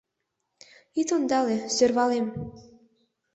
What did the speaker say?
Ит ондале, сӧрвалем!